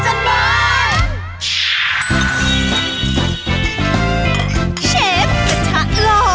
เชฟกระทะหลอก